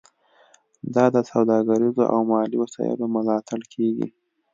دا د سوداګریزو او مالي وسایلو ملاتړ کیږي